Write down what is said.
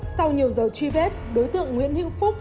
sau nhiều giờ truy vết đối tượng nguyễn hữu phúc